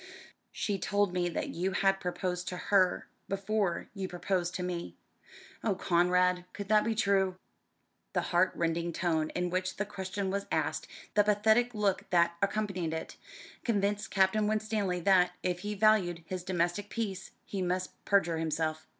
"She told me that you had proposed to her before you proposed to me. Oh, Conrad, could that be true?" The heart rending tone in which the question was asked, the pathetic look that accompanied it, convinced Captain Winstanley that, if he valued his domestic peace, he must perjure himself.